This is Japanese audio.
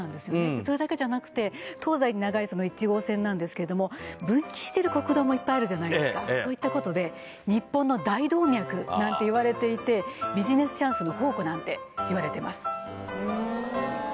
それだけじゃなくて東西に長い１号線なんですけれども分岐してる国道もいっぱいあるじゃないですかそういったことで日本の大動脈なんていわれていてビジネスチャンスの宝庫なんていわれてます